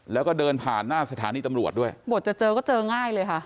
แล้วก็เดินผ่านหน้าสถานีตำรวจด้วยบทจะเจอก็เจอง่ายเลยค่ะ